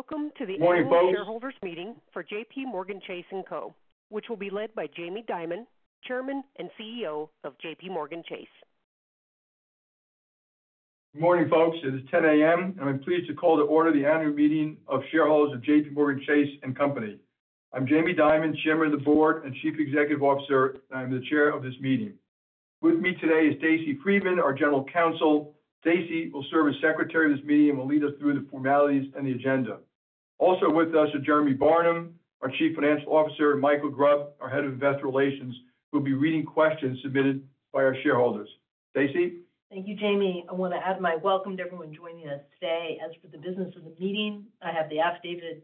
Welcome to the annual shareholders meeting for JPMorgan Chase & Co., which will be led by Jamie Dimon, Chairman and CEO of JPMorgan Chase. Good morning, folks. It is 10:00 A.M., and I'm pleased to call to order the annual meeting of shareholders of JPMorgan Chase & Co. I'm Jamie Dimon, Chairman of the Board and Chief Executive Officer, and I'm the Chair of this meeting. With me today is Stacey Friedman, our General Counsel. Stacey will serve as Secretary of this meeting and will lead us through the formalities and the agenda. Also with us are Jeremy Barnum, our Chief Financial Officer, and Mikael Grubb, our Head of Investor Relations, who will be reading questions submitted by our shareholders. Stacey? Thank you, Jamie. I want to add my welcome to everyone joining us today. As for the business of the meeting, I have the affidavit,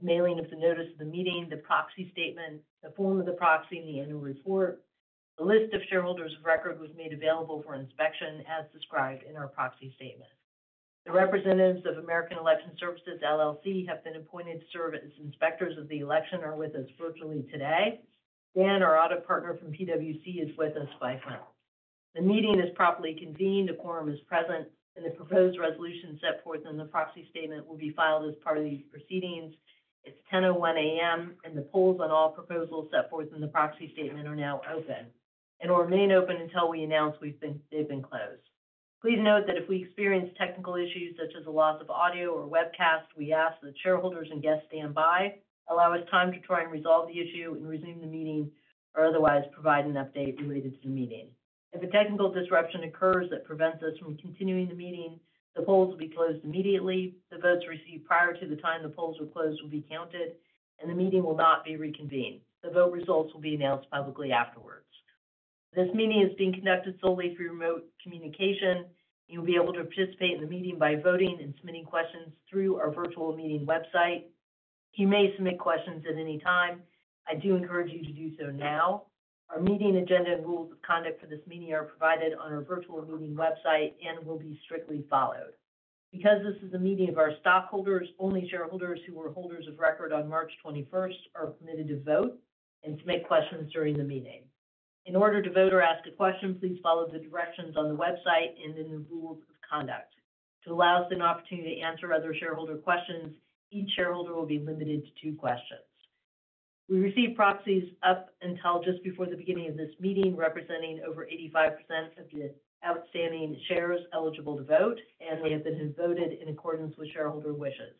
mailing of the notice of the meeting, the proxy statement, the form of the proxy, and the annual report. A list of shareholders of record was made available for inspection as described in our proxy statement. The representatives of American Election Services LLC have been appointed to serve as inspectors of the election and are with us virtually today. Dan, our Audit Partner from PricewaterhouseCoopers, is with us by phone. The meeting is properly convened. A quorum is present, and the proposed resolution set forth in the proxy statement will be filed as part of these proceedings. It is 10:01 A.M., and the polls on all proposals set forth in the proxy statement are now open and will remain open until we announce they have been closed. Please note that if we experience technical issues such as a loss of audio or webcast, we ask that shareholders and guests stand by, allow us time to try and resolve the issue, and resume the meeting, or otherwise provide an update related to the meeting. If a technical disruption occurs that prevents us from continuing the meeting, the polls will be closed immediately. The votes received prior to the time the polls were closed will be counted, and the meeting will not be reconvened. The vote results will be announced publicly afterwards. This meeting is being conducted solely through remote communication. You'll be able to participate in the meeting by voting and submitting questions through our virtual meeting website. You may submit questions at any time. I do encourage you to do so now. Our meeting agenda and rules of conduct for this meeting are provided on our virtual meeting website and will be strictly followed. Because this is a meeting of our stockholders, only shareholders who are holders of record on March 21 are permitted to vote and submit questions during the meeting. In order to vote or ask a question, please follow the directions on the website and in the rules of conduct. To allow us an opportunity to answer other shareholder questions, each shareholder will be limited to two questions. We received proxies up until just before the beginning of this meeting representing over 85% of the outstanding shares eligible to vote, and they have been voted in accordance with shareholder wishes.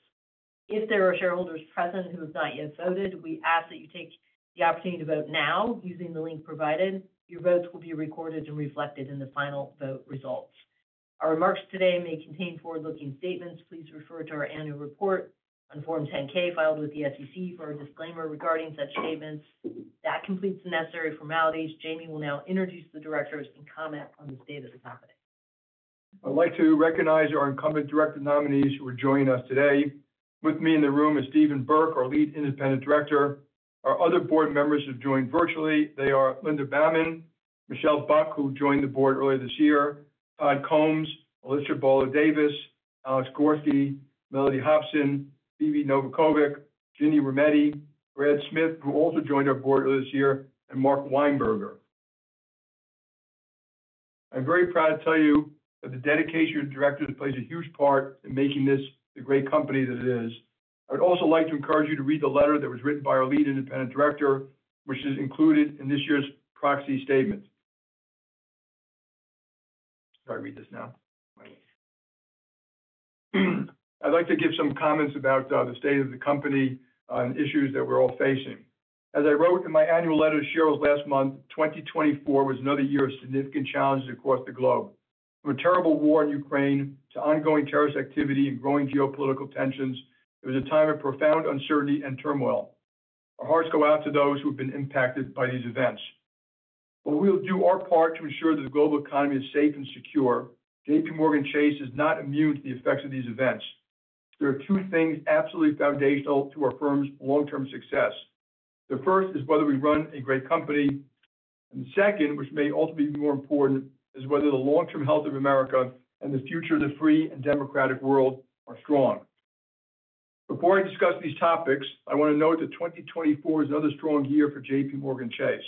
If there are shareholders present who have not yet voted, we ask that you take the opportunity to vote now using the link provided. Your votes will be recorded and reflected in the final vote results. Our remarks today may contain forward-looking statements. Please refer to our annual report on Form 10-K filed with the SEC for a disclaimer regarding such statements. That completes the necessary formalities. Jamie will now introduce the directors and comment on the state of the company. I'd like to recognize our incumbent director nominees who are joining us today. With me in the room is Stephen Burke, our lead independent director. Our other board members have joined virtually. They are Linda Bammann, Michelle Buck, who joined the board earlier this year, Todd Combs, Alyssa Balder-Davis, Alex Gorsky, Melody Hobson, Phoebe Novakovic, Ginni Rometty, Greg Smith, who also joined our board earlier this year, and Mark Weinberger. I'm very proud to tell you that the dedication of the directors plays a huge part in making this the great company that it is. I would also like to encourage you to read the letter that was written by our lead independent director, which is included in this year's proxy statement. Sorry, read this now. I'd like to give some comments about the state of the company and issues that we're all facing. As I wrote in my annual letter to shareholders last month, 2024 was another year of significant challenges across the globe. From a terrible war in Ukraine to ongoing terrorist activity and growing geopolitical tensions, it was a time of profound uncertainty and turmoil. Our hearts go out to those who have been impacted by these events. While we will do our part to ensure that the global economy is safe and secure, JPMorgan Chase is not immune to the effects of these events. There are two things absolutely foundational to our firm's long-term success. The first is whether we run a great company. The second, which may also be more important, is whether the long-term health of America and the future of the free and democratic world are strong. Before I discuss these topics, I want to note that 2024 is another strong year for JPMorgan Chase.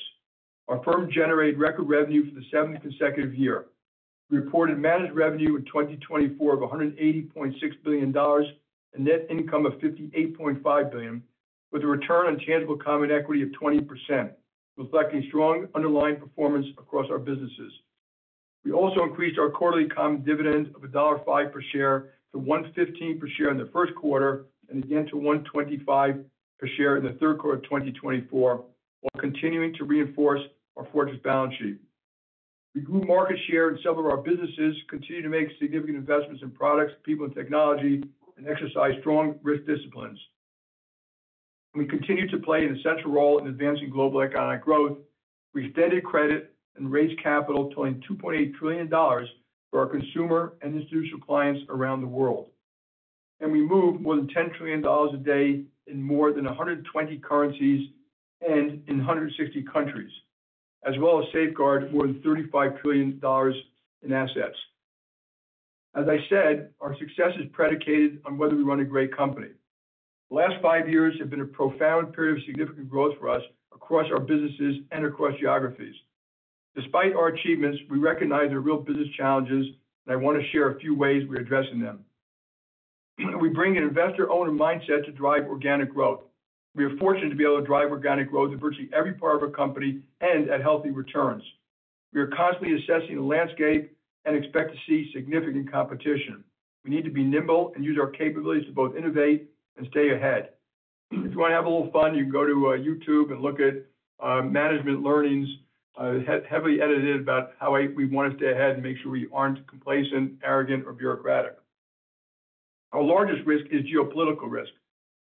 Our firm generated record revenue for the seventh consecutive year. We reported managed revenue in 2024 of $180.6 billion and net income of $58.5 billion, with a return on tangible common equity of 20%, reflecting strong underlying performance across our businesses. We also increased our quarterly common dividend of $1.05 per share to $1.15 per share in the first quarter and again to $1.25 per share in the third quarter of 2024, while continuing to reinforce our fortress balance sheet. We grew market share in several of our businesses, continued to make significant investments in products, people, and technology, and exercised strong risk disciplines. We continue to play an essential role in advancing global economic growth. We extended credit and raised capital totaling $2.8 trillion for our consumer and institutional clients around the world. We moved more than $10 trillion a day in more than 120 currencies and in 160 countries, as well as safeguarded more than $35 trillion in assets. As I said, our success is predicated on whether we run a great company. The last five years have been a profound period of significant growth for us across our businesses and across geographies. Despite our achievements, we recognize there are real business challenges, and I want to share a few ways we're addressing them. We bring an investor-owner mindset to drive organic growth. We are fortunate to be able to drive organic growth in virtually every part of our company and at healthy returns. We are constantly assessing the landscape and expect to see significant competition. We need to be nimble and use our capabilities to both innovate and stay ahead. If you want to have a little fun, you can go to YouTube and look at management learnings, heavily edited about how we want to stay ahead and make sure we aren't complacent, arrogant, or bureaucratic. Our largest risk is geopolitical risk.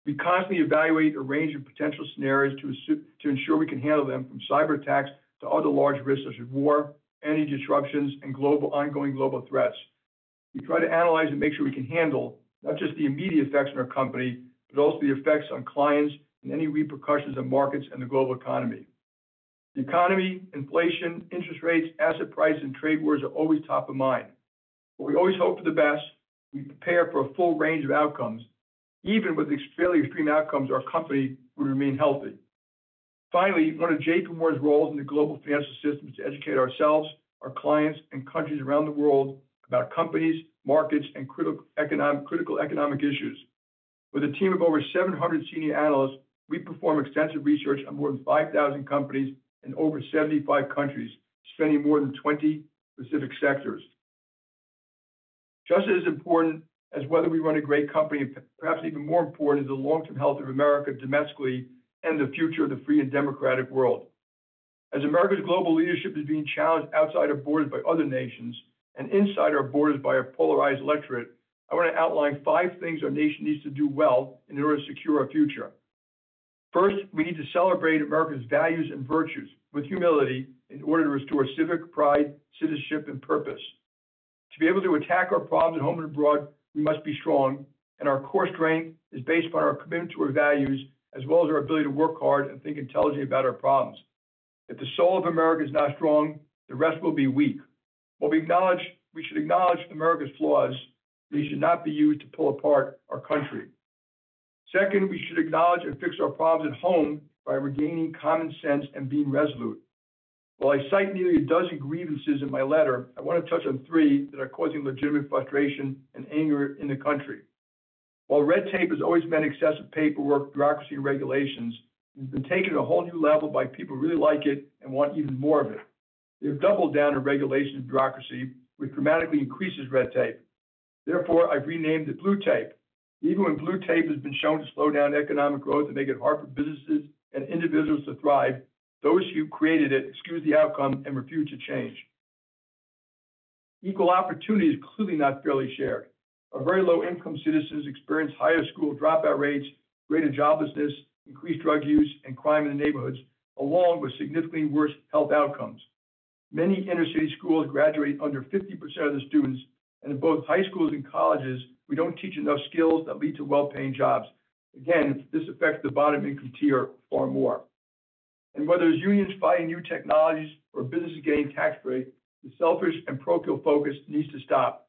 We constantly evaluate a range of potential scenarios to ensure we can handle them, from cyberattacks to other large risks such as war, energy disruptions, and ongoing global threats. We try to analyze and make sure we can handle not just the immediate effects on our company, but also the effects on clients and any repercussions on markets and the global economy. The economy, inflation, interest rates, asset prices, and trade wars are always top of mind. While we always hope for the best, we prepare for a full range of outcomes. Even with fairly extreme outcomes, our company would remain healthy. Finally, one of JPMorgan's roles in the global financial system is to educate ourselves, our clients, and countries around the world about companies, markets, and critical economic issues. With a team of over 700 senior analysts, we perform extensive research on more than 5,000 companies in over 75 countries, spanning more than 20 specific sectors. Just as important as whether we run a great company, and perhaps even more important, is the long-term health of America domestically and the future of the free and democratic world. As America's global leadership is being challenged outside our borders by other nations and inside our borders by a polarized electorate, I want to outline five things our nation needs to do well in order to secure our future. First, we need to celebrate America's values and virtues with humility in order to restore civic pride, citizenship, and purpose. To be able to attack our problems at home and abroad, we must be strong, and our core strength is based upon our commitment to our values as well as our ability to work hard and think intelligently about our problems. If the soul of America is not strong, the rest will be weak. While we should acknowledge America's flaws, they should not be used to pull apart our country. Second, we should acknowledge and fix our problems at home by regaining common sense and being resolute. While I cite nearly a dozen grievances in my letter, I want to touch on three that are causing legitimate frustration and anger in the country. While red tape has always meant excessive paperwork, bureaucracy, and regulations, it has been taken to a whole new level by people who really like it and want even more of it. They have doubled down on regulation and bureaucracy, which dramatically increases red tape. Therefore, I've renamed it blue tape. Even when blue tape has been shown to slow down economic growth and make it hard for businesses and individuals to thrive, those who created it excuse the outcome and refuse to change. Equal opportunity is clearly not fairly shared. Our very low-income citizens experience higher school dropout rates, greater joblessness, increased drug use, and crime in the neighborhoods, along with significantly worse health outcomes. Many inner-city schools graduate under 50% of the students, and in both high schools and colleges, we don't teach enough skills that lead to well-paying jobs. This affects the bottom-income tier far more. Whether it's unions fighting new technologies or businesses getting tax-free, the selfish and parochial focus needs to stop.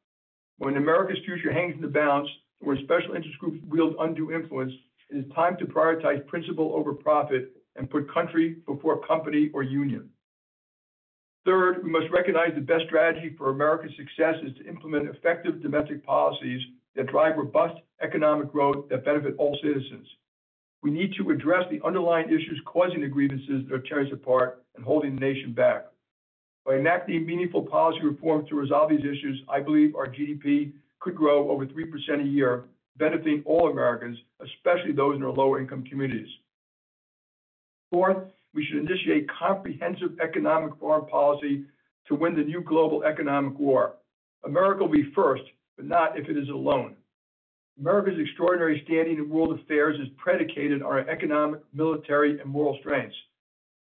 When America's future hangs in the balance and when special interest groups wield undue influence, it is time to prioritize principle over profit and put country before company or union. Third, we must recognize the best strategy for America's success is to implement effective domestic policies that drive robust economic growth that benefit all citizens. We need to address the underlying issues causing the grievances that are tearing us apart and holding the nation back. By enacting meaningful policy reforms to resolve these issues, I believe our GDP could grow over 3% a year, benefiting all Americans, especially those in our lower-income communities. Fourth, we should initiate comprehensive economic foreign policy to win the new global economic war. America will be first, but not if it is alone. America's extraordinary standing in world affairs is predicated on our economic, military, and moral strengths.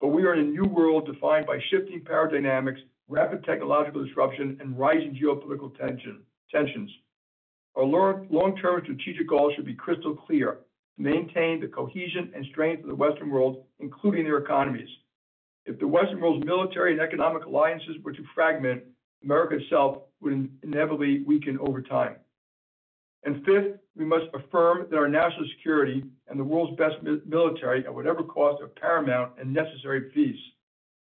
We are in a new world defined by shifting power dynamics, rapid technological disruption, and rising geopolitical tensions. Our long-term strategic goals should be crystal clear: to maintain the cohesion and strength of the Western world, including their economies. If the Western world's military and economic alliances were to fragment, America itself would inevitably weaken over time. Fifth, we must affirm that our national security and the world's best military at whatever cost are paramount and necessary fees.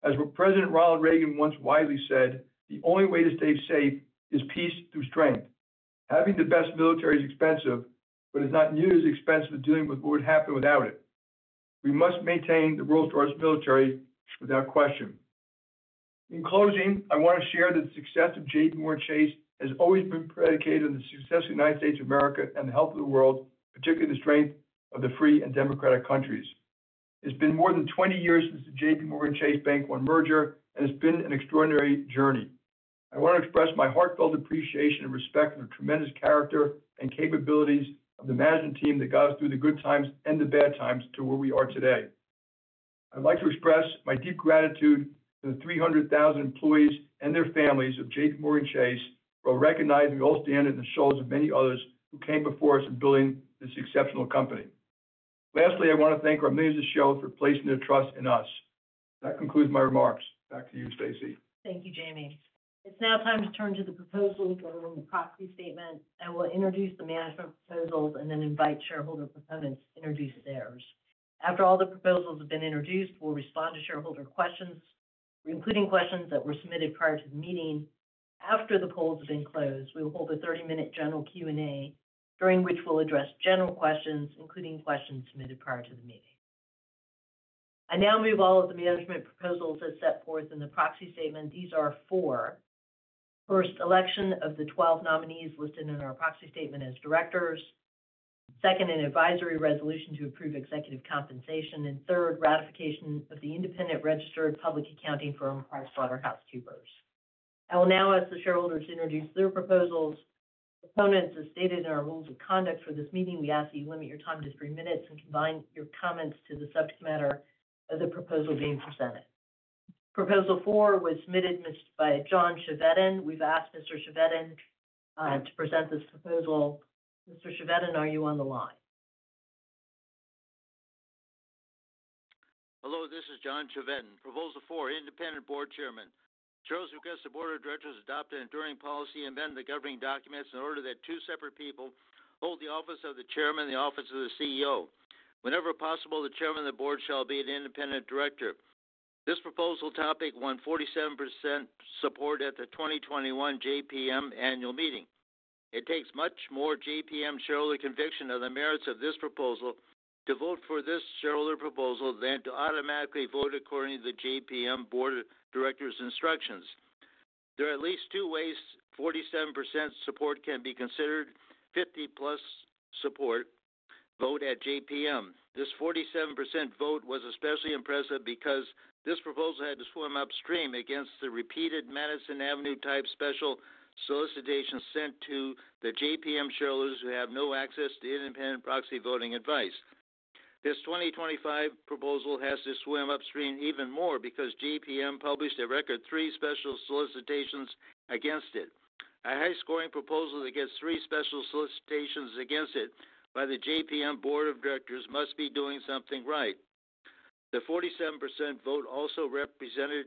As President Ronald Reagan once wisely said, "The only way to stay safe is peace through strength." Having the best military is expensive, but it's not nearly as expensive as dealing with what would happen without it. We must maintain the world's largest military without question. In closing, I want to share that the success of JPMorgan Chase has always been predicated on the success of the United States of America and the health of the world, particularly the strength of the free and democratic countries. It's been more than 20 years since the JPMorgan Chase-Bank One merger, and it's been an extraordinary journey. I want to express my heartfelt appreciation and respect for the tremendous character and capabilities of the management team that got us through the good times and the bad times to where we are today. I'd like to express my deep gratitude to the 300,000 employees and their families of JPMorgan Chase for recognizing the all-standard and the shoulders of many others who came before us in building this exceptional company. Lastly, I want to thank our members of the show for placing their trust in us. That concludes my remarks. Back to you, Stacey. Thank you, Jamie. It's now time to turn to the proposals and the proxy statement. I will introduce the management proposals and then invite shareholder proponents to introduce theirs. After all the proposals have been introduced, we'll respond to shareholder questions, including questions that were submitted prior to the meeting. After the polls have been closed, we will hold a 30-minute general Q&A, during which we'll address general questions, including questions submitted prior to the meeting. I now move all of the management proposals as set forth in the proxy statement. These are four. First, election of the 12 nominees listed in our proxy statement as directors. Second, an advisory resolution to approve executive compensation. Third, ratification of the independent registered public accounting firm, PricewaterhouseCoopers. I will now ask the shareholders to introduce their proposals. Proponents, as stated in our rules of conduct for this meeting, we ask that you limit your time to three minutes and combine your comments to the subject matter of the proposal being presented. Proposal four was submitted by John Chevedden. We've asked Mr. Chevedden to present this proposal. Mr. Chevedden, are you on the line? Hello, this is John Chevedden. Proposal four, independent board chairman. Chose to request the board of directors adopt an enduring policy and then the governing documents in order that two separate people hold the office of the chairman and the office of the CEO. Whenever possible, the chairman of the board shall be an independent director. This proposal topic won 47% support at the 2021 JPM annual meeting. It takes much more JPM shareholder conviction on the merits of this proposal to vote for this shareholder proposal than to automatically vote according to the JPM board director's instructions. There are at least two ways 47% support can be considered: 50-plus support vote at JPM. This 47% vote was especially impressive because this proposal had to swim upstream against the repeated Madison Avenue type special solicitations sent to the JPM shareholders who have no access to independent proxy voting advice. This 2025 proposal has to swim upstream even more because JPM published a record three special solicitations against it. A high-scoring proposal that gets three special solicitations against it by the JPM board of directors must be doing something right. The 47% vote also represented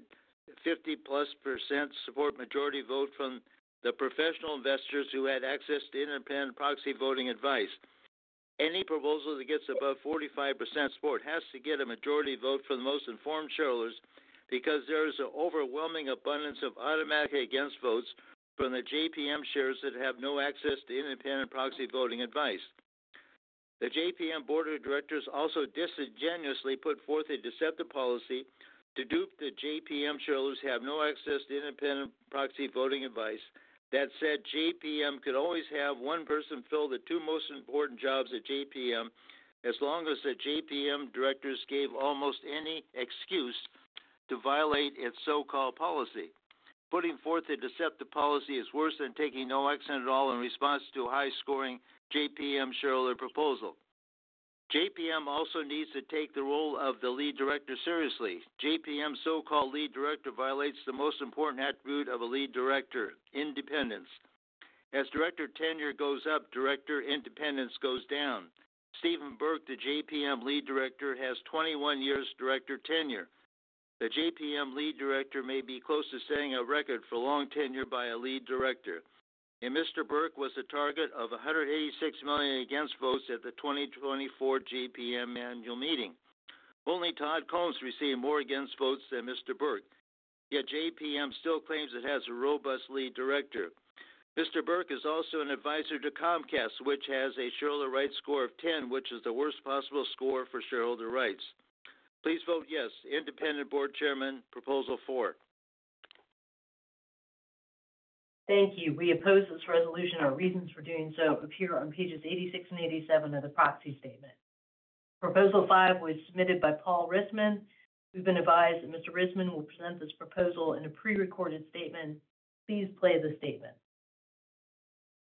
50-plus percent support majority vote from the professional investors who had access to independent proxy voting advice. Any proposal that gets above 45% support has to get a majority vote from the most informed shareholders because there is an overwhelming abundance of automatic against votes from the JPM shares that have no access to independent proxy voting advice. The JPM board of directors also disingenuously put forth a deceptive policy to dupe the JPM shareholders who have no access to independent proxy voting advice. That said, JPM could always have one person fill the two most important jobs at JPM as long as the JPM directors gave almost any excuse to violate its so-called policy. Putting forth a deceptive policy is worse than taking no accent at all in response to a high-scoring JPM shareholder proposal. JPM also needs to take the role of the lead director seriously. JPM's so-called lead director violates the most important attribute of a lead director: independence. As director tenure goes up, director independence goes down. Stephen Burke, the JPM lead director, has 21 years director tenure. The JPM lead director may be close to setting a record for long tenure by a lead director. Mr. Burke was the target of $186 million against votes at the 2024 JPM annual meeting. Only Todd Combs received more against votes than Mr. Burke. Yet JPM still claims it has a robust lead director. Mr. Burke is also an advisor to Comcast, which has a shareholder rights score of 10, which is the worst possible score for shareholder rights. Please vote yes, independent board chairman proposal four. Thank you. We oppose this resolution. Our reasons for doing so appear on pages 86 and 87 of the proxy statement. Proposal five was submitted by Paul Rissman. We've been advised that Mr. Rissman will present this proposal in a prerecorded statement. Please play the statement.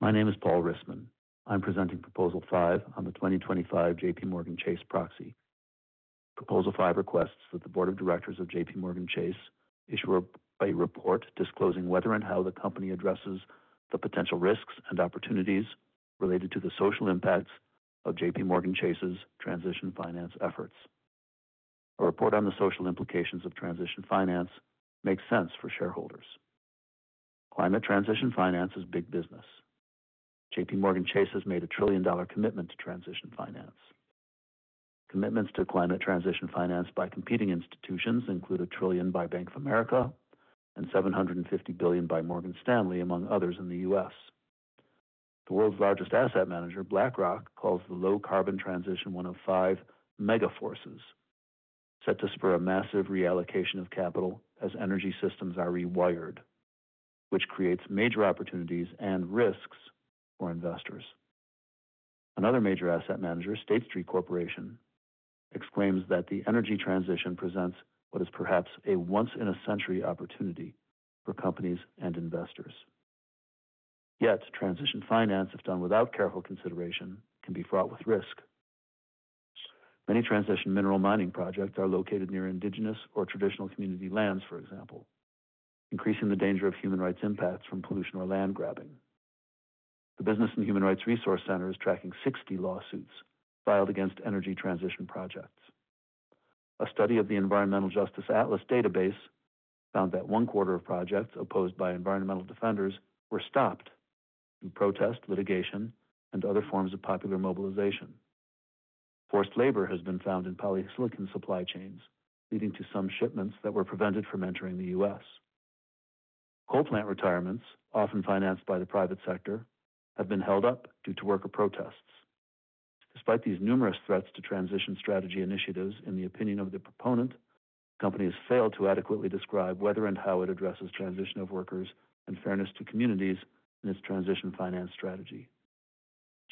My name is Paul Rissman. I'm presenting proposal five on the 2025 JPMorgan Chase proxy. Proposal five requests that the board of directors of JPMorgan Chase issue a report disclosing whether and how the company addresses the potential risks and opportunities related to the social impacts of JPMorgan Chase's transition finance efforts. A report on the social implications of transition finance makes sense for shareholders. Climate transition finance is big business. JPMorgan Chase has made a trillion-dollar commitment to transition finance. Commitments to climate transition finance by competing institutions include a trillion by Bank of America and $750 billion by Morgan Stanley, among others in the U.S. The world's largest asset manager, BlackRock, calls the low-carbon transition one of five mega forces set to spur a massive reallocation of capital as energy systems are rewired, which creates major opportunities and risks for investors. Another major asset manager, State Street Corporation, exclaims that the energy transition presents what is perhaps a once-in-a-century opportunity for companies and investors. Yet transition finance, if done without careful consideration, can be fraught with risk. Many transition mineral mining projects are located near indigenous or traditional community lands, for example, increasing the danger of human rights impacts from pollution or land grabbing. The Business and Human Rights Resource Center is tracking 60 lawsuits filed against energy transition projects. A study of the Environmental Justice Atlas database found that one quarter of projects opposed by environmental defenders were stopped due to protest, litigation, and other forms of popular mobilization. Forced labor has been found in polysilicon supply chains, leading to some shipments that were prevented from entering the US. Coal plant retirements, often financed by the private sector, have been held up due to worker protests. Despite these numerous threats to transition strategy initiatives, in the opinion of the proponent, the company has failed to adequately describe whether and how it addresses transition of workers and fairness to communities in its transition finance strategy.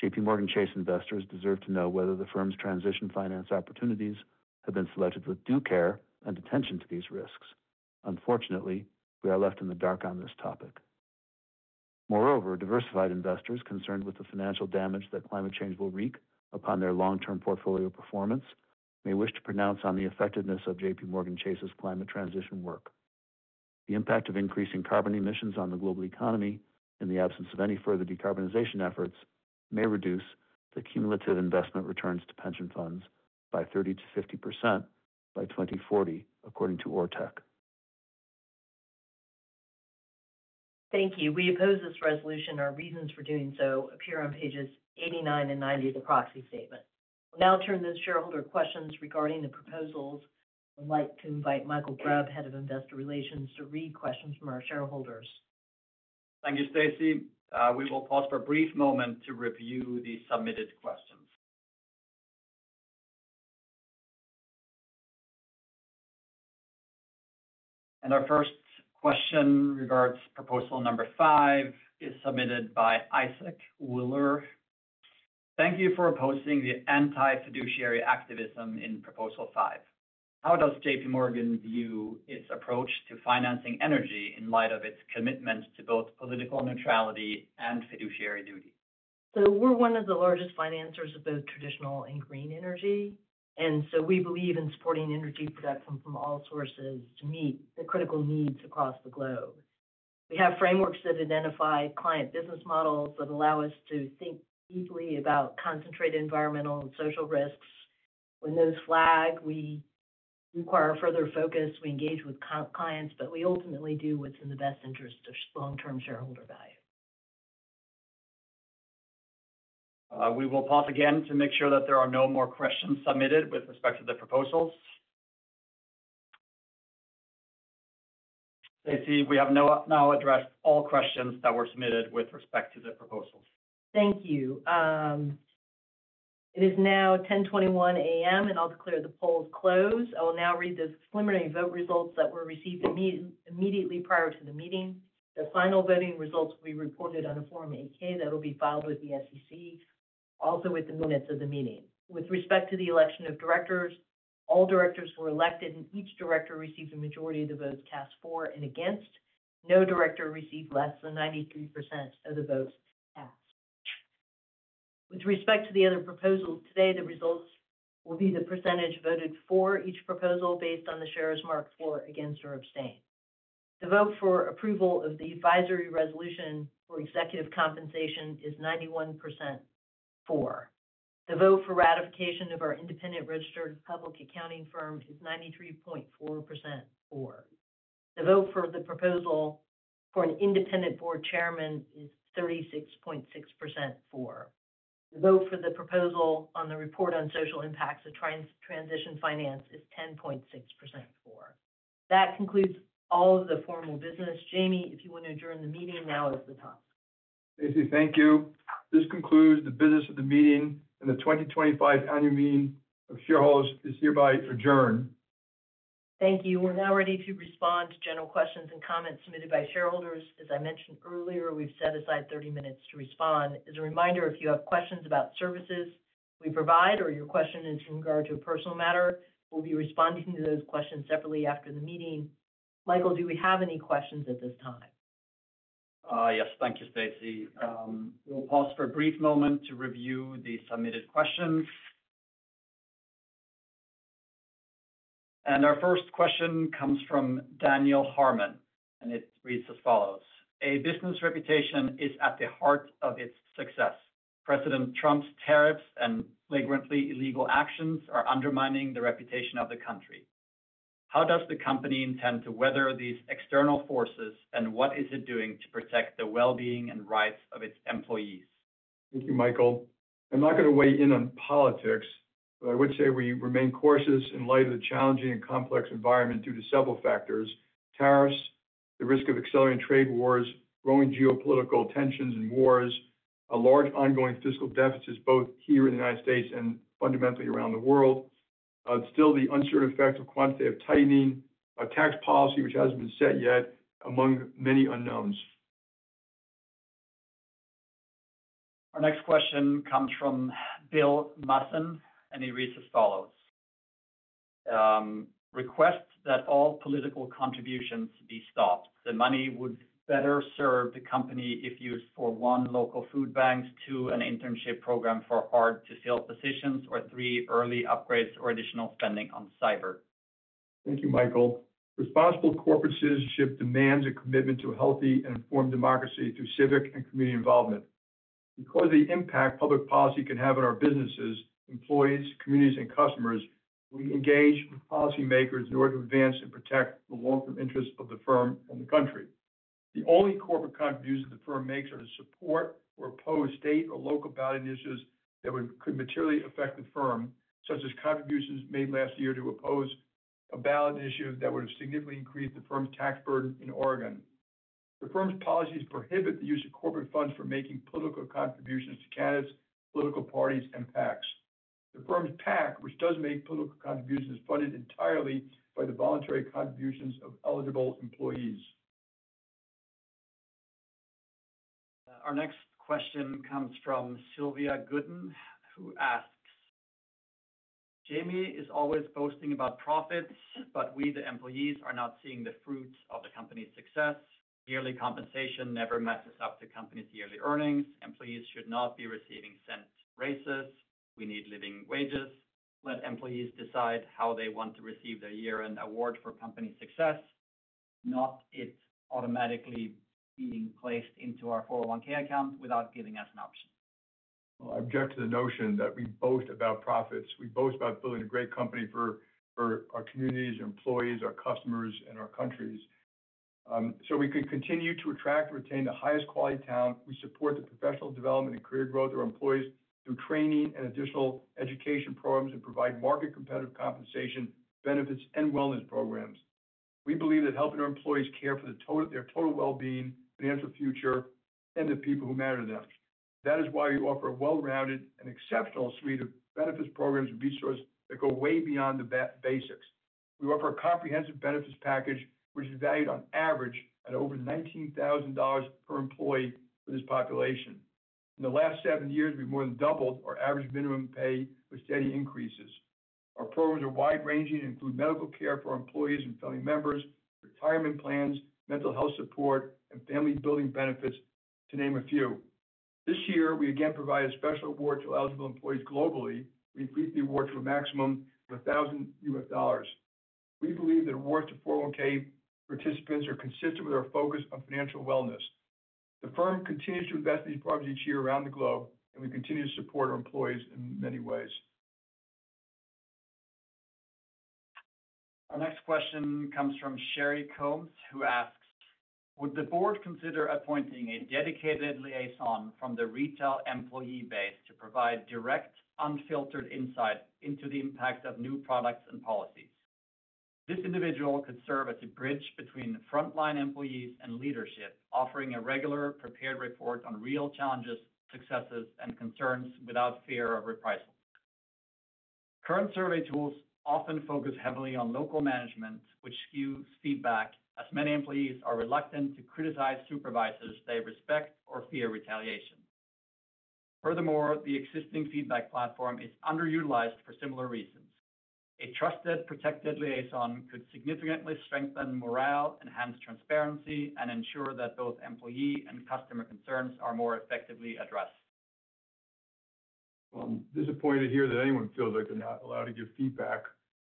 JPMorgan Chase investors deserve to know whether the firm's transition finance opportunities have been selected with due care and attention to these risks. Unfortunately, we are left in the dark on this topic. Moreover, diversified investors concerned with the financial damage that climate change will wreak upon their long-term portfolio performance may wish to pronounce on the effectiveness of JPMorgan Chase's climate transition work. The impact of increasing carbon emissions on the global economy in the absence of any further decarbonization efforts may reduce the cumulative investment returns to pension funds by 30-50% by 2040, according to ORTEC. Thank you. We oppose this resolution. Our reasons for doing so appear on pages 89 and 90 of the proxy statement. We'll now turn to the shareholder questions regarding the proposals. I'd like to invite Mikael Grubb, Head of Investor Relations, to read questions from our shareholders. Thank you, Stacey. We will pause for a brief moment to review the submitted questions. Our first question regarding proposal number five is submitted by Isaac Wooller. Thank you for opposing the anti-fiduciary activism in proposal five. How does JPMorgan view its approach to financing energy in light of its commitment to both political neutrality and fiduciary duty? We are one of the largest financers of both traditional and green energy. We believe in supporting energy production from all sources to meet the critical needs across the globe. We have frameworks that identify client business models that allow us to think deeply about concentrated environmental and social risks. When those flag, we require further focus. We engage with clients, but we ultimately do what is in the best interest of long-term shareholder value. We will pause again to make sure that there are no more questions submitted with respect to the proposals. Stacey, we have now addressed all questions that were submitted with respect to the proposals. Thank you. It is now 10:21 A.M., and I'll declare the polls closed. I will now read the preliminary vote results that were received immediately prior to the meeting. The final voting results will be reported on a Form 8-K that will be filed with the SEC, also with the minutes of the meeting. With respect to the election of directors, all directors were elected, and each director received the majority of the votes cast for and against. No director received less than 93% of the votes cast. With respect to the other proposals today, the results will be the percentage voted for each proposal based on the shares marked for, against, or abstain. The vote for approval of the advisory resolution for executive compensation is 91% for. The vote for ratification of our independent registered public accounting firm is 93.4% for. The vote for the proposal for an independent board chairman is 36.6% for. The vote for the proposal on the report on social impacts of transition finance is 10.6% for. That concludes all of the formal business. Jamie, if you want to adjourn the meeting, now is the time. Stacey, thank you. This concludes the business of the meeting, and the 2025 annual meeting of shareholders is hereby adjourned. Thank you. We're now ready to respond to general questions and comments submitted by shareholders. As I mentioned earlier, we've set aside 30 minutes to respond. As a reminder, if you have questions about services we provide or your question is in regard to a personal matter, we'll be responding to those questions separately after the meeting. Mikael, do we have any questions at this time? Yes, thank you, Stacey. We'll pause for a brief moment to review the submitted questions. Our first question comes from Daniel Harman, and it reads as follows: A business reputation is at the heart of its success. President Trump's tariffs and flagrantly illegal actions are undermining the reputation of the country. How does the company intend to weather these external forces, and what is it doing to protect the well-being and rights of its employees? Thank you, Mikael. I'm not going to weigh in on politics, but I would say we remain cautious in light of the challenging and complex environment due to several factors: tariffs, the risk of accelerating trade wars, growing geopolitical tensions and wars, a large ongoing fiscal deficit both here in the U.S. and fundamentally around the world, still the uncertain effect of quantitative tightening, a tax policy which hasn't been set yet, among many unknowns. Our next question comes from Bill Rasmussen, and he reads as follows: Request that all political contributions be stopped. The money would better serve the company if used for one: local food banks, two: an internship program for hard-to-fill positions, or three: early upgrades or additional spending on cyber. Thank you, Mikael. Responsible corporate citizenship demands a commitment to a healthy and informed democracy through civic and community involvement. Because of the impact public policy can have on our businesses, employees, communities, and customers, we engage with policymakers in order to advance and protect the long-term interests of the firm and the country. The only corporate contributions the firm makes are to support or oppose state or local ballot initiatives that could materially affect the firm, such as contributions made last year to oppose a ballot initiative that would have significantly increased the firm's tax burden in Oregon. The firm's policies prohibit the use of corporate funds for making political contributions to candidates, political parties, and PACs. The firm's PAC, which does make political contributions, is funded entirely by the voluntary contributions of eligible employees. Our next question comes from Sylvia Gooden, who asks: Jamie is always boasting about profits, but we, the employees, are not seeing the fruits of the company's success. Yearly compensation never matches up to the company's yearly earnings. Employees should not be receiving cent raises. We need living wages. Let employees decide how they want to receive their year-end award for company success, not it automatically being placed into our 401(k) account without giving us an option. I object to the notion that we boast about profits. We boast about building a great company for our communities, our employees, our customers, and our countries. We could continue to attract and retain the highest quality talent. We support the professional development and career growth of our employees through training and additional education programs and provide market-competitive compensation, benefits, and wellness programs. We believe that helping our employees care for their total well-being, financial future, and the people who matter to them. That is why we offer a well-rounded and exceptional suite of benefits programs and resources that go way beyond the basics. We offer a comprehensive benefits package, which is valued on average at over $19,000 per employee for this population. In the last seven years, we've more than doubled our average minimum pay, with steady increases. Our programs are wide-ranging and include medical care for our employees and family members, retirement plans, mental health support, and family-building benefits, to name a few. This year, we again provide a special award to eligible employees globally. We increase the award to a maximum of $1,000. We believe that awards to 401(k) participants are consistent with our focus on financial wellness. The firm continues to invest in these programs each year around the globe, and we continue to support our employees in many ways. Our next question comes from Sherry Combs, who asks: Would the board consider appointing a dedicated liaison from the retail employee base to provide direct, unfiltered insight into the impact of new products and policies? This individual could serve as a bridge between frontline employees and leadership, offering a regular, prepared report on real challenges, successes, and concerns without fear of reprisals. Current survey tools often focus heavily on local management, which skews feedback, as many employees are reluctant to criticize supervisors they respect or fear retaliation. Furthermore, the existing feedback platform is underutilized for similar reasons. A trusted, protected liaison could significantly strengthen morale, enhance transparency, and ensure that both employee and customer concerns are more effectively addressed. I'm disappointed to hear that anyone feels like they're not allowed to give feedback.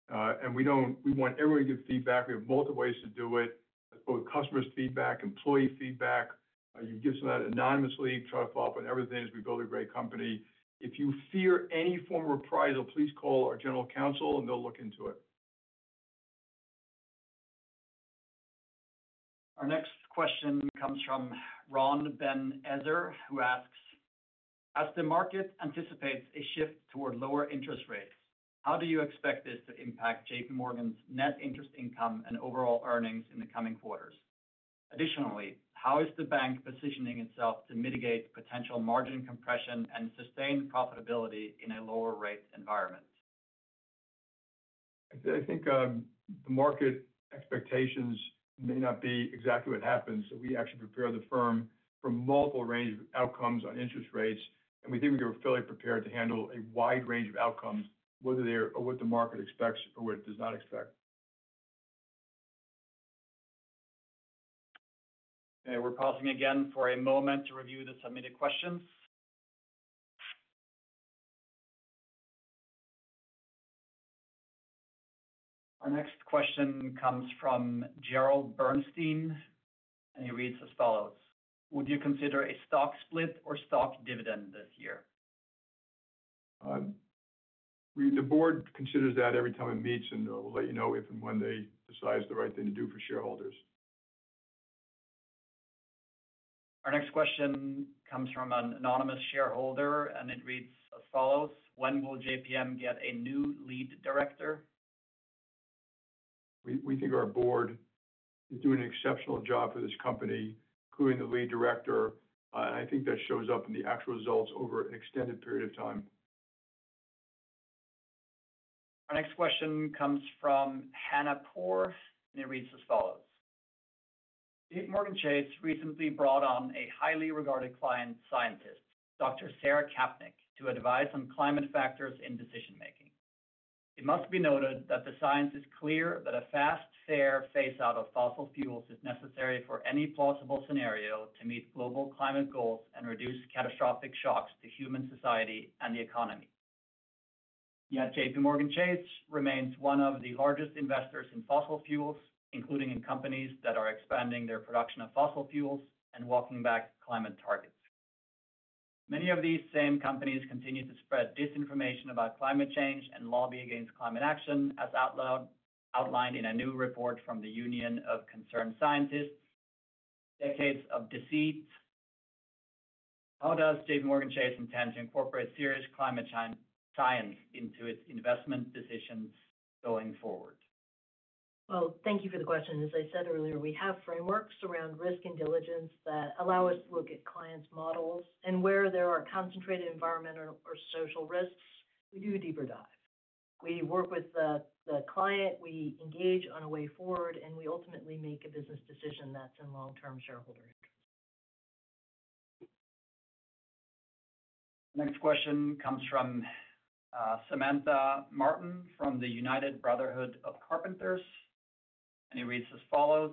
We want everyone to give feedback. We have multiple ways to do it, both customer feedback and employee feedback. You can give some of that anonymously. Try to follow up on everything as we build a great company. If you fear any form of reprisal, please call our general counsel, and they'll look into it. Our next question comes from Ron Ben Ezer, who asks: As the market anticipates a shift toward lower interest rates, how do you expect this to impact JPMorgan's net interest income and overall earnings in the coming quarters? Additionally, how is the bank positioning itself to mitigate potential margin compression and sustain profitability in a lower-rate environment? I think the market expectations may not be exactly what happens. We actually prepare the firm for multiple ranges of outcomes on interest rates, and we think we are fully prepared to handle a wide range of outcomes, whether they're what the market expects or what it does not expect. We're pausing again for a moment to review the submitted questions. Our next question comes from Gerald Bernstein, and he reads as follows: Would you consider a stock split or stock dividend this year? The board considers that every time it meets, and we'll let you know if and when they decide it's the right thing to do for shareholders. Our next question comes from an anonymous shareholder, and it reads as follows: When will JPM get a new lead director? We think our board is doing an exceptional job for this company, including the lead director. I think that shows up in the actual results over an extended period of time. Our next question comes from Hannah Poore, and it reads as follows: JPMorgan Chase recently brought on a highly regarded client scientist, Dr. Sarah Kapnick, to advise on climate factors in decision-making. It must be noted that the science is clear that a fast, fair phase-out of fossil fuels is necessary for any plausible scenario to meet global climate goals and reduce catastrophic shocks to human society and the economy. Yet JPMorgan Chase remains one of the largest investors in fossil fuels, including in companies that are expanding their production of fossil fuels and walking back climate targets. Many of these same companies continue to spread disinformation about climate change and lobby against climate action, as outlined in a new report from the Union of Concerned Scientists: Decades of Deceit. How does JPMorgan Chase intend to incorporate serious climate science into its investment decisions going forward? Thank you for the question. As I said earlier, we have frameworks around risk and diligence that allow us to look at clients' models. Where there are concentrated environmental or social risks, we do a deeper dive. We work with the client, we engage on a way forward, and we ultimately make a business decision that is in long-term shareholder interest. The next question comes from Samantha Martin from the United Brotherhood of Carpenters, and it reads as follows: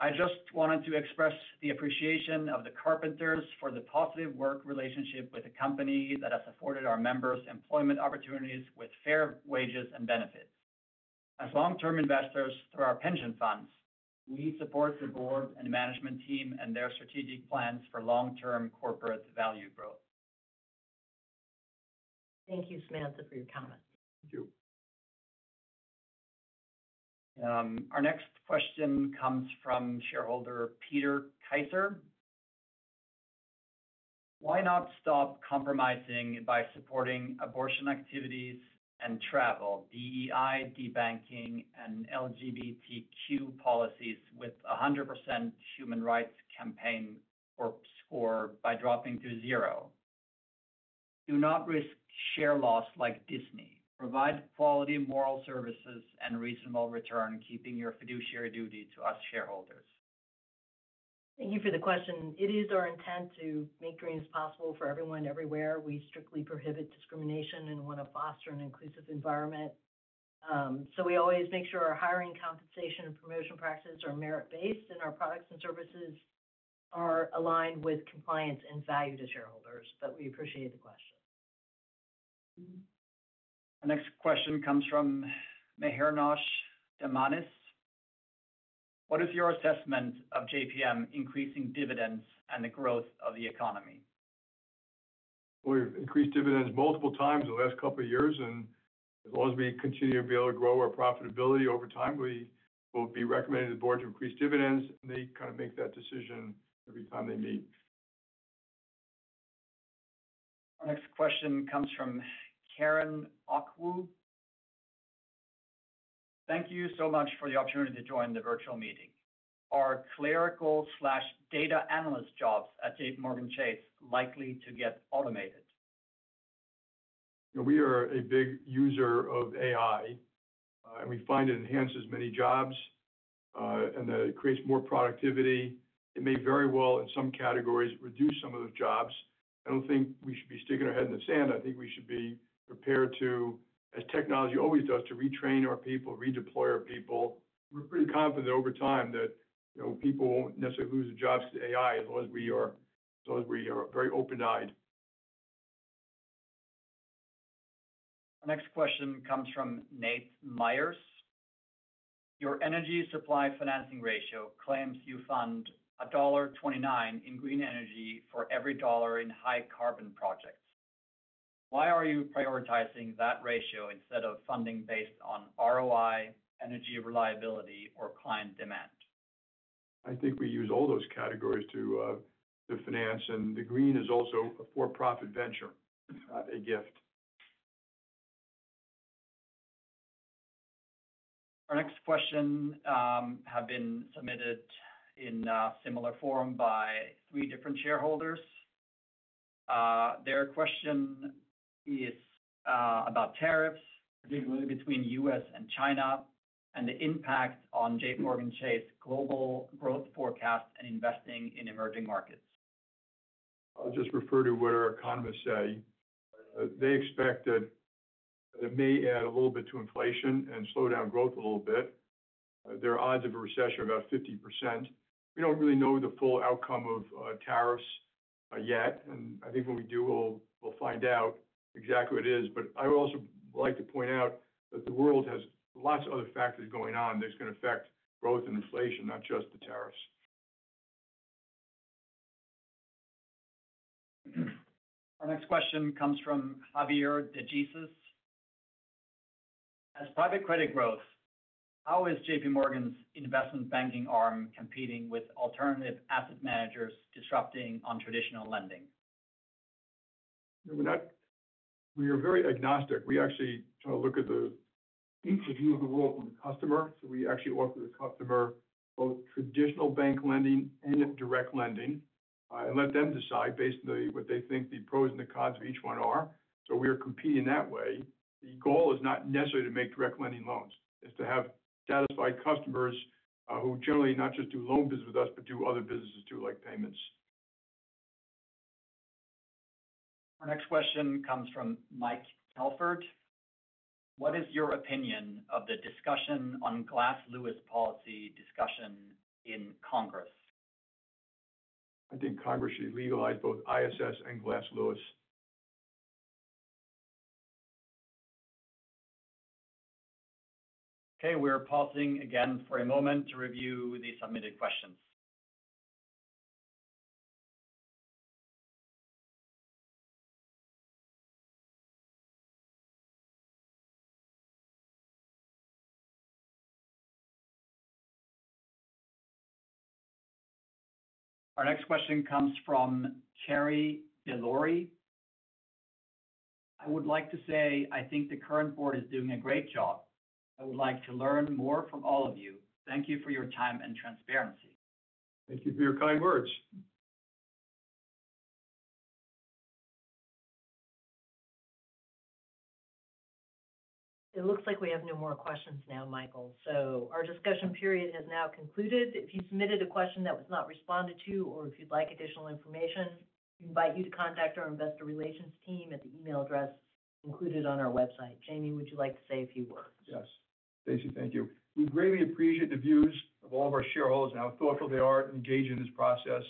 I just wanted to express the appreciation of the Carpenters for the positive work relationship with the company that has afforded our members employment opportunities with fair wages and benefits. As long-term investors through our pension funds, we support the board and management team and their strategic plans for long-term corporate value growth. Thank you, Samantha, for your comments. Thank you. Our next question comes from shareholder Peter Keyser: Why not stop compromising by supporting abortion activities and travel, DEI, de-banking, and LGBTQ policies with a 100% human rights campaign score by dropping to zero? Do not risk share loss like Disney. Provide quality, moral services, and reasonable return, keeping your fiduciary duty to us shareholders. Thank you for the question. It is our intent to make green as possible for everyone everywhere. We strictly prohibit discrimination and want to foster an inclusive environment. We always make sure our hiring, compensation, and promotion practices are merit-based, and our products and services are aligned with compliance and value to shareholders. We appreciate the question. Our next question comes from Mahernosh Damanis: What is your assessment of JPM increasing dividends and the growth of the economy? We've increased dividends multiple times in the last couple of years, and as long as we continue to be able to grow our profitability over time, we will be recommending the board to increase dividends, and they kind of make that decision every time they meet. Our next question comes from Karen Chukwu: Thank you so much for the opportunity to join the virtual meeting. Are clerical/data analyst jobs at JPMorgan Chase likely to get automated? We are a big user of AI, and we find it enhances many jobs and that it creates more productivity. It may very well, in some categories, reduce some of those jobs. I do not think we should be sticking our head in the sand. I think we should be prepared to, as technology always does, retrain our people, redeploy our people. We are pretty confident over time that people will not necessarily lose their jobs because of AI, as long as we are very open-eyed. Our next question comes from Nate Myers: Your energy supply financing ratio claims you fund $1.29 in green energy for every dollar in high-carbon projects. Why are you prioritizing that ratio instead of funding based on ROI, energy reliability, or client demand? I think we use all those categories to finance, and the green is also a for-profit venture, not a gift. Our next questions have been submitted in a similar forum by three different shareholders. Their question is about tariffs, particularly between the U.S. and China, and the impact on JPMorgan Chase's global growth forecast and investing in emerging markets. I'll just refer to what our economists say. They expect that it may add a little bit to inflation and slow down growth a little bit. Their odds of a recession are about 50%. We don't really know the full outcome of tariffs yet, and I think when we do, we'll find out exactly what it is. I would also like to point out that the world has lots of other factors going on that are going to affect growth and inflation, not just the tariffs. Our next question comes from Javier De Jesus: As private credit grows, how is JPMorgan's investment banking arm competing with alternative asset managers disrupting traditional lending? We are very agnostic. We actually try to look at the interview of the world from the customer. We actually offer the customer both traditional bank lending and direct lending and let them decide based on what they think the pros and the cons of each one are. We are competing that way. The goal is not necessarily to make direct lending loans. It is to have satisfied customers who generally not just do loan business with us, but do other businesses too, like payments. Our next question comes from Mike Telford: What is your opinion of the discussion on Glass Lewis policy discussion in Congress? I think Congress should legalize both ISS and Glass Lewis. Okay. We're pausing again for a moment to review the submitted questions. Our next question comes from Cherie DeLory: I would like to say I think the current board is doing a great job. I would like to learn more from all of you. Thank you for your time and transparency. Thank you for your kind words. It looks like we have no more questions now, Mikael. Our discussion period has now concluded. If you submitted a question that was not responded to or if you'd like additional information, we invite you to contact our investor relations team at the email address included on our website. Jamie, would you like to say a few words? Yes. Stacey, thank you. We greatly appreciate the views of all of our shareholders and how thoughtful they are in engaging in this process.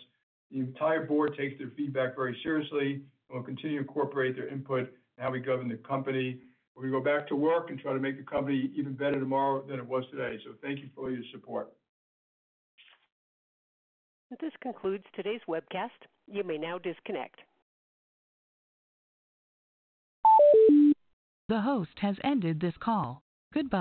The entire board takes their feedback very seriously and will continue to incorporate their input in how we govern the company. We are going to go back to work and try to make the company even better tomorrow than it was today. Thank you for all your support. This concludes today's webcast. You may now disconnect. The host has ended this call. Good.